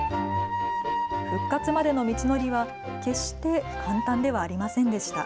復活までの道のりは決して簡単ではありませんでした。